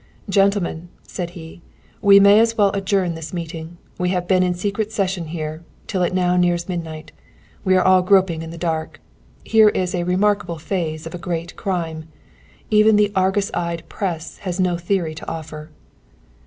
"Gentlemen," said he, "we may as well adjourn this meeting. We have been in secret session here, till it now nears midnight. We are all groping in the dark. Here is a remarkable phase of a great crime. Even the 'argus eyed press' has no theory to offer."